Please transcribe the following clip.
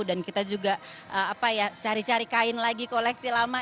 dan kita juga cari cari kain lagi koleksi lama